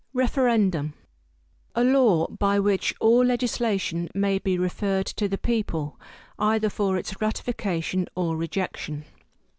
=Referendum.= A law by which all legislation may be referred to the people, either for its ratification or rejection.